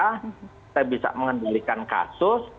kita bisa mengendalikan kasus